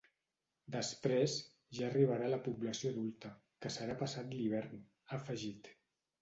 “Després, ja arribarà a la població adulta, que serà passat l’hivern”, ha afegit.